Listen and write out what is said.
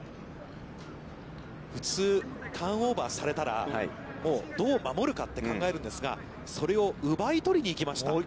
普通、ターンオーバーされたら、もうどう守るかって考えるんですが、それを奪い取りに行きました。